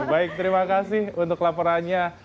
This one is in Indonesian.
baik terima kasih untuk laporannya